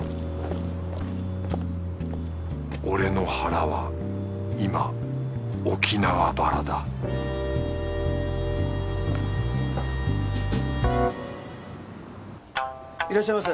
俺の腹は今沖縄腹だいらっしゃいませ。